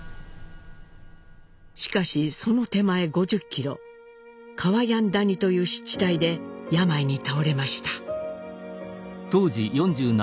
しかしその手前５０キロカワヤン谷という湿地帯で病に倒れました。